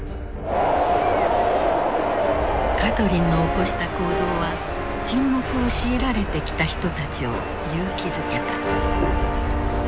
カトリンの起こした行動は沈黙を強いられてきた人たちを勇気づけた。